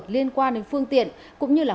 liên quan đến phương tiện cũng như là